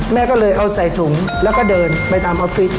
แม่ก็เลยเอาใส่ถุงแล้วก็เดินไปตามออฟฟิศ